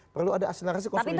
perlu ada asilarasi konsolidasi